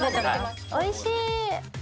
おいしい。